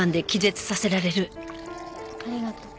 ありがとう。